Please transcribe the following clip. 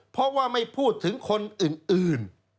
เพราะว่าไม่พูดถึงคนอื่น